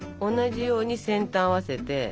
同じように先端合わせて。